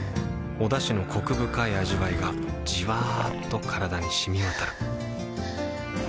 おだしのコク深い味わいがじわっと体に染み渡るはぁ。